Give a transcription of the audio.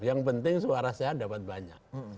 yang penting suara saya dapat banyak